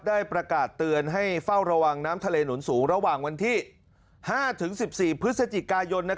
ได้ประกาศเตือนให้เฝ้าระวังน้ำทะเลหนุนสูงระหว่างวันที่๕๑๔พฤศจิกายน